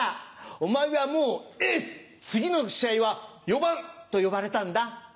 「お前はもうエエっす次の試合はヨバン」と呼ばれたんだ。